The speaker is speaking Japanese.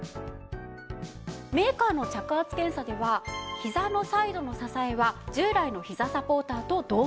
メーカーの着圧検査ではひざのサイドの支えは従来のひざサポーターと同程度。